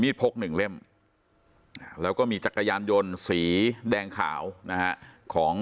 พกหนึ่งเล่มแล้วก็มีจักรยานยนต์สีแดงขาวนะฮะของ